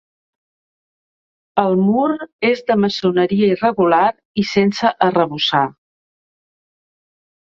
El mur és de maçoneria irregular i sense arrebossar.